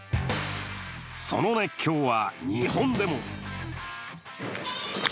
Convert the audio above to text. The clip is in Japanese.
その熱狂は日本でも。